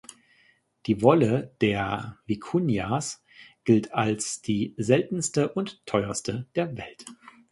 Die Wolle der Vikunjas gilt als die seltenste und teuerste der Welt.